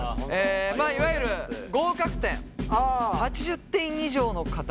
いわゆる合格点８０点以上の方。